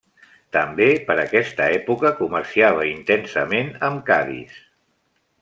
També per aquesta època comerciava intensament amb Cadis.